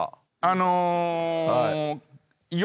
あの。